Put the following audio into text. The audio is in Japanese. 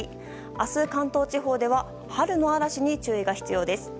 明日、関東地方では春の嵐に注意が必要です。